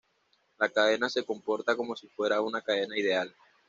La cadena se comporta como si fuera una cadena ideal.